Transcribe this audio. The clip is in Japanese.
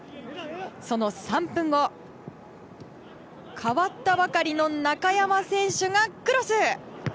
その３分後、代わったばかりの中山選手がクロス！